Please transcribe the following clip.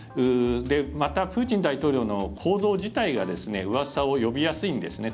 またプーチン大統領の行動自体がうわさを呼びやすいんですね。